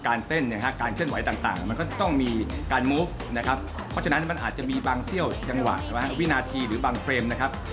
การเคลื่อนไหวต่างมันก็จะต้องมีการมูฟนะครับเพราะฉะนั้นมันอาจจะมีบางเสี้ยวจังหวะวินาทีหรือบางเฟรมนะครับ